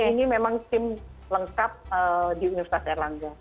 jadi ini memang tim lengkap di universitas erlangga